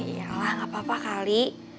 yalah gak apa apa kali